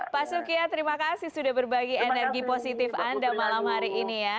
pak sukiyah terima kasih sudah berbagi energi positif anda malam hari ini ya